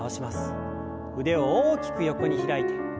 腕を大きく横に開いて。